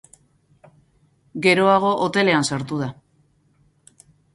Geroago, hotelean sartu da.